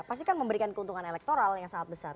pasti kan memberikan keuntungan elektoral yang sangat besar